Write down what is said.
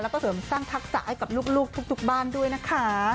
แล้วก็เสริมสร้างทักษะให้กับลูกทุกบ้านด้วยนะคะ